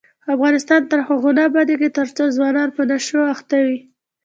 افغانستان تر هغو نه ابادیږي، ترڅو ځوانان په نشو اخته وي.